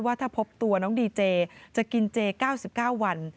ถ้าพบตัวน้องดีเจจะกินเจ๙๙วัน